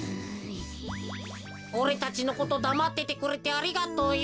おれたちのことだまっててくれてありがとうよ。